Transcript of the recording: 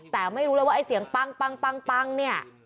แต่ไม่รู้เลยไว้เสียงปั้งเนี่ย